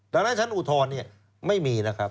ดังนั้นช้าอุทรแน่นี้ไม่มีนะครับ